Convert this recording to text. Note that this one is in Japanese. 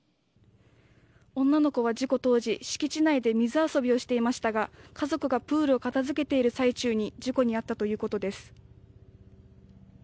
女の子は事故当時、敷地内で水遊びをしていましたが家族がプールを片付けている最中に事故に遭ったということです。